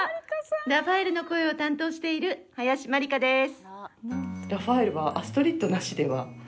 ラファエルの声を担当している林真里花です。